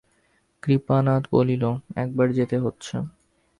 কৃপানাথ বলিল, একবার যেতে হচ্ছে।